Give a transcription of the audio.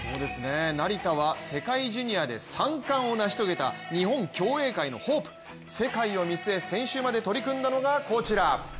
成田は世界ジュニアで三冠を成し遂げた日本競泳界のホープ世界を見据え、先週まで取り組んだのがこちら。